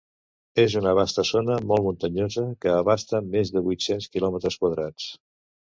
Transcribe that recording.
És una vasta zona molt muntanyosa que abasta més de vuit-cents quilòmetres quadrats.